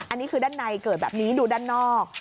อันนี้คือด้านในเกิดแบบนี้ดูด้านนอก